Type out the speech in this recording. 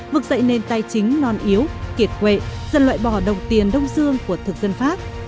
vực dậy nền tài chính non yếu kiệt quệ dần loại bỏ đồng tiền đông dương của thực dân pháp